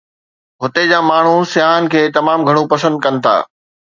هتي جا ماڻهو سياحن کي تمام گهڻو پسند ڪن ٿا.